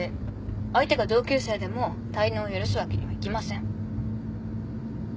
相手が同級生でも滞納を許すわけにはいきません。